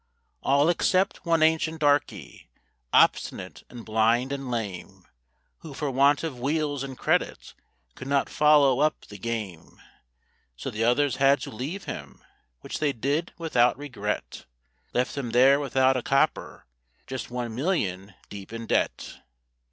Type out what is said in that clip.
All except one ancient darkey, obstinate and blind and lame, Who for want of wheels and credit could not follow up the game; So the others had to leave him, which they did without regret, Left him there without a copper—just one million deep in debt.